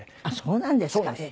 あっそうなんですか。